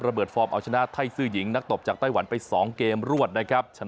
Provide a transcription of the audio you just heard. เปิดฟอร์มเอาชนะไทยซื่อหญิงนักตบจากไต้หวันไป๒เกมรวดนะครับชนะ